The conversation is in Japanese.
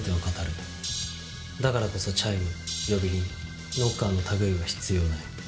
だからこそチャイム呼び鈴ノッカーの類いは必要ない。